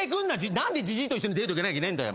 何でじじいと一緒にデート行かなきゃいけねえんだよ。